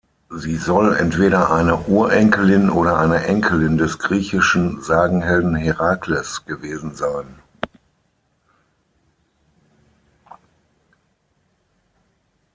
Sie soll entweder eine Urenkelin oder eine Enkelin des griechischen Sagenhelden Herakles gewesen sein.